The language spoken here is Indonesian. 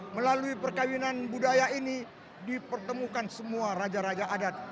melalui perkawinan budaya ini dipertemukan semua raja raja adat